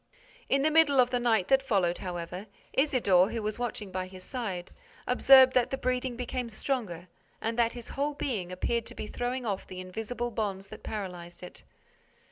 In the middle of the night that followed, however, Isidore, who was watching by his side, observed that the breathing became stronger and that his whole being appeared to be throwing off the invisible bonds that paralyzed it.